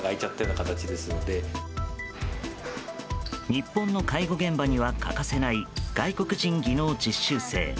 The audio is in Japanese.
日本の介護現場には欠かせない外国人技能実習生。